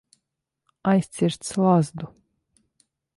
Aizcirst slazdu.